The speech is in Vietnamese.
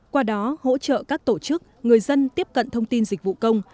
qua đó hỗ trợ các tổ chức người dân tiếp cận thông tin dịch vụ công